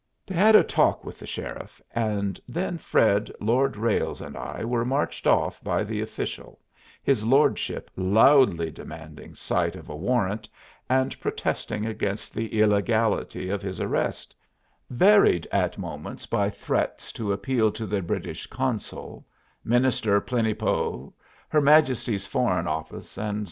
They had a talk with the sheriff, and then Fred, Lord Ralles, and I were marched off by the official, his lordship loudly demanding sight of a warrant, and protesting against the illegality of his arrest, varied at moments by threats to appeal to the British consul, minister plenipo., Her Majesty's Foreign Office, etc.